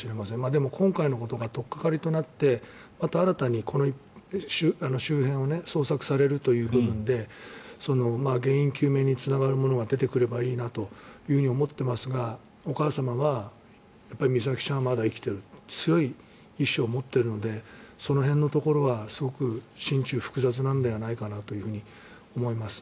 でも今回のことがとっかかりとなってまた新たにこの周辺を捜索されるという部分で原因究明につながるものが出てくればいいなと思っていますがお母様が、美咲ちゃんはまだ生きているという強い意志を持っているのでその辺のところはすごく心中複雑なのではないかなと思います。